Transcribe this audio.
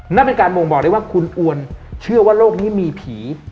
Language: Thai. นั่นเป็นการบ่งบอกได้ว่าคุณอวนเชื่อว่าโลกนี้มีผี